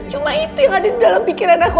cuma itu yang ada di dalam pikiran aku